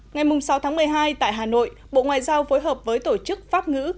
ngày sáu tháng một mươi hai tại hà nội bộ ngoại giao phối hợp với tổ chức pháp ngữ